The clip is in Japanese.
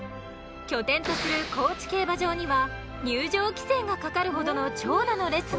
拠点とする高知競馬場には入場規制がかかるほどの長蛇の列！